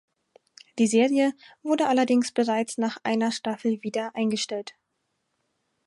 Die Serie wurde allerdings bereits nach einer Staffel wieder eingestellt.